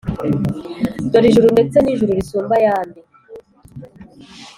Dore ijuru ndetse n’ijuru risumba ayandi